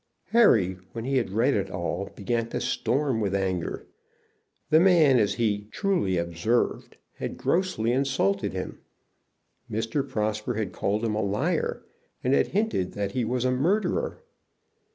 Harry, when he had read it all, began to storm with anger. The man, as he truly observed, had grossly insulted him. Mr. Prosper had called him a liar and had hinted that he was a murderer.